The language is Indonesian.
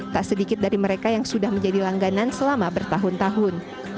tak sedikit dari mereka yang sudah menjadi langganan selama bertahun tahun